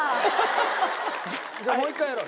じゃあもう一回やろう。